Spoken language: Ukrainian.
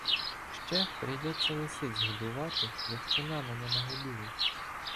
Ще гірийдеться лисиць годувати, якщо нами не нагодують.